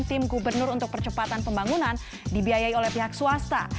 tim gubernur untuk percepatan pembangunan dibiayai oleh pihak swasta